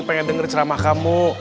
pengen denger ceramah kamu